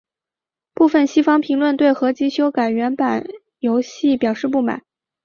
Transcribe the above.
部分西方评论对合辑修改原版游戏表示不满。